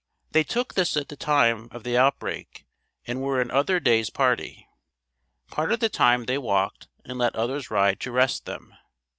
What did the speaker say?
They took this at the time of the outbreak and were in Otherday's party. Part of the time they walked and let others ride to rest them.